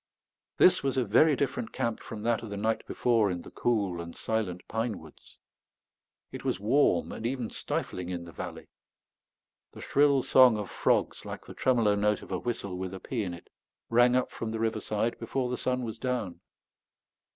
This was a very different camp from that of the night before in the cool and silent pine woods. It was warm and even stifling in the valley. The shrill song of frogs, like the tremolo note of a whistle with a pea in it, rang up from the riverside before the sun was down.